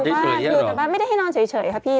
อยู่บ้านไม่ได้ให้นอนเฉยครับพี่